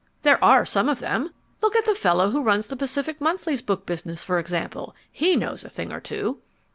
There are some of them. Look at the fellow who runs the Pacific Monthly's book business for example! He knows a thing or two.